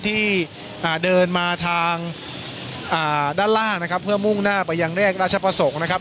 ที่เดินมาทางด้านล่างนะครับเพื่อมุ่งหน้าไปยังแยกราชประสงค์นะครับ